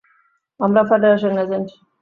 আমরা federal agent.